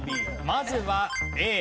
まずはＡ。